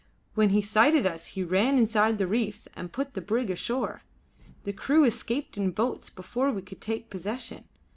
When he sighted us he ran inside the reefs and put the brig ashore. The crew escaped in boats before we could take possession.